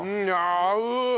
合う！